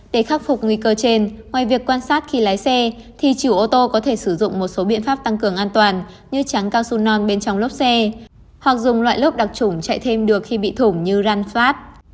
để khắc phục nguy cơ trên ngoài việc quan sát khi lái xe thì chủ ô tô có thể sử dụng một số biện pháp tăng cường an toàn như trắng cao su non bên trong lốp xe hoặc dùng loại lốp đặc trủng chạy thêm được khi bị thủng như răn phát